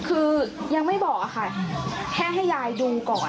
คือยังไม่บอกค่ะแค่ให้ยายดูก่อน